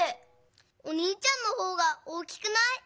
おにいちゃんのほうが大きくない？